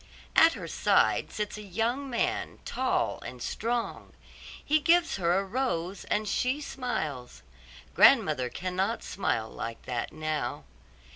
At her side sits a young man, tall and strong; he gives her a rose and she smiles. Grandmother cannot smile like that now.